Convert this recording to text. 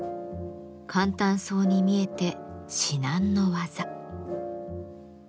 簡単そうに見えて至難の業。